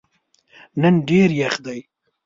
نن ډېر یخ دی.